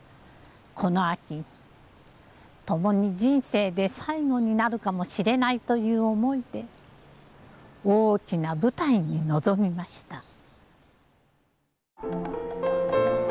この秋共に人生で最後になるかもしれないという思いで大きな舞台に臨みました。